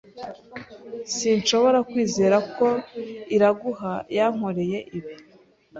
Sinshobora kwizera ko Iraguha yankoreye ibi.